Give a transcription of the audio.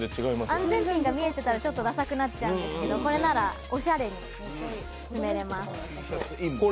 安全ピンが見えていたらちょっとださくなっちゃうんですけどこれならおしゃれに詰めれます。